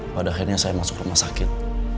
pada akhirnya saya masuk rumah sakit